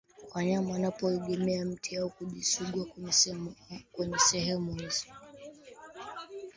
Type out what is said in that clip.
wanyama wanapo wanapoegemea miti hiyo au kujisugua kwenye sehemu hizo